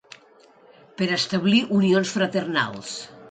Per a establir unions fraternals.